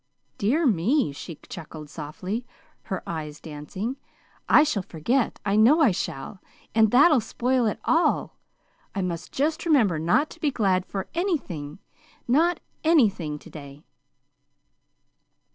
"Dear me," she chuckled softly, her eyes dancing, "I shall forget I know I shall; and that'll spoil it all! I must just remember not to be glad for anything not ANYTHING to day."